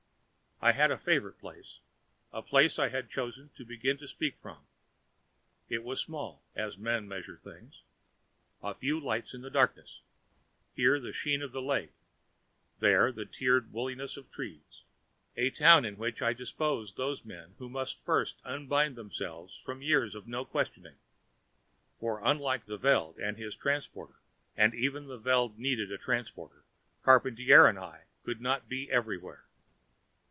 I had a favorite place; the place I had chosen to begin to speak from. It was small, as men measure things a few lights in the darkness, here the sheen of a lake, there the tiered wooliness of trees a town in which I had disposed those men who must first unbind themselves from the years of no questioning. For unlike the Veld and his transporter and even the Veld needed a transporter Charpantier and I could not be everywhere.